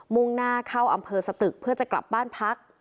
่งหน้าเข้าอำเภอสตึกเพื่อจะกลับบ้านพัก